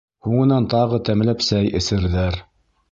Һуңынан тағы тәмләп сәй эсерҙәр.